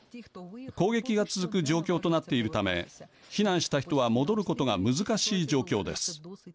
攻撃が続く状況となっているため避難した人は戻ることが難しい状況です。